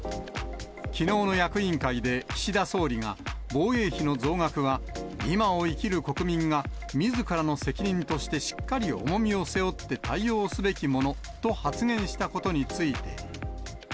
きのうの役員会で、岸田総理が、防衛費の増額は、今を生きる国民がみずからの責任としてしっかり重みを背負って対応すべきものと発言したことについて。